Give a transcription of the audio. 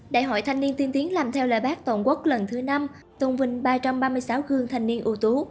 đại hội thanh niên tiên tiến làm theo lời bác toàn quốc lần thứ năm tôn vinh ba trăm ba mươi sáu gương thanh niên ưu tú